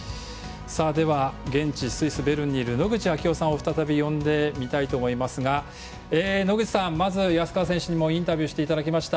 現地スイス・ベルンにいる野口啓代さんを再び呼んでみたいと思いますが野口さん、安川選手にもインタビューしていただきました。